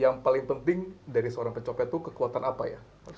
yang paling penting dari seorang pencopet itu kekuatan apa ya